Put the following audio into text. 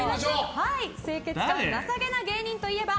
清潔感なさげな芸人といえば？